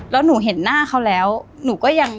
แล้วหนูเห็นหน้าเขาแล้วหนูก็ยัง